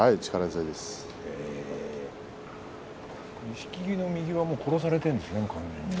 錦木の右はもう殺されてるんですね。